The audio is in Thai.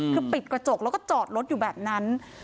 คือปิดกระจกแล้วก็จอดรถอยู่แบบนั้น